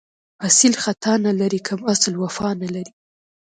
اصیل خطا نه لري، کم اصل وفا نه لري